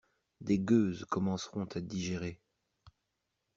Des gueuses commenceront à digérer.